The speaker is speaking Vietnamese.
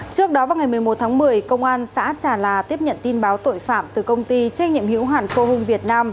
trước đó vào ngày một mươi một tháng một mươi công an xã trà là tiếp nhận tin báo tội phạm từ công ty trách nhiệm hữu hạn cô hương việt nam